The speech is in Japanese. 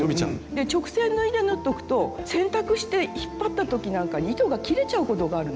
で直線縫いで縫っとくと洗濯して引っ張った時なんかに糸が切れちゃうことがあるの。